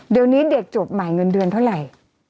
เดี๋ยวนี้เด็กจบใหม่เงินเดือนเท่าไหร่